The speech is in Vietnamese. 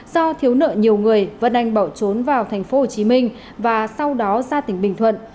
do thiếu nợ nhiều người vân anh bỏ trốn vào tp hcm và sau đó ra tỉnh bình thuận